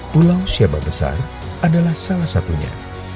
pulau syaba besar adalah salah satunya